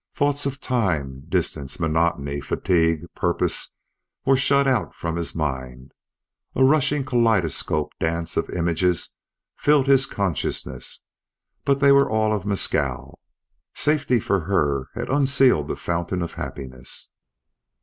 Thoughts of time, distance, monotony, fatigue, purpose, were shut out from his mind. A rushing kaleidoscopic dance of images filled his consciousness, but they were all of Mescal. Safety for her had unsealed the fountain of happiness.